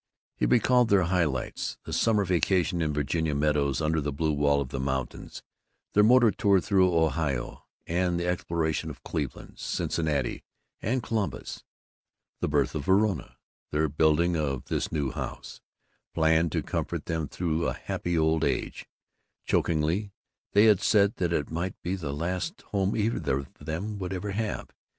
He recalled their high lights: the summer vacation in Virginia meadows under the blue wall of the mountains; their motor tour through Ohio, and the exploration of Cleveland, Cincinnati, and Columbus; the birth of Verona; their building of this new house, planned to comfort them through a happy old age chokingly they had said that it might be the last home either of them would ever have.